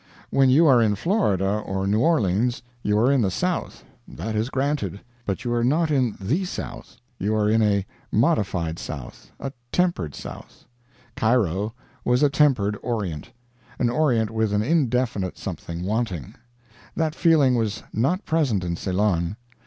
When you are in Florida or New Orleans you are in the South that is granted; but you are not in the South; you are in a modified South, a tempered South. Cairo was a tempered Orient an Orient with an indefinite something wanting. That feeling was not present in Ceylon.